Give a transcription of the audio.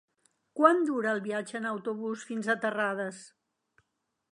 Quant dura el viatge en autobús fins a Terrades?